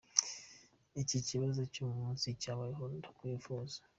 icyi kibazo cyo umunsi cyabayeho ndawifuza.